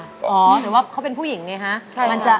หรือว่าเขาเป็นผู้หญิงไงฮะ